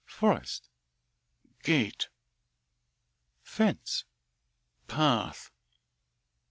"Forest." "Gate." "Fence." "Path."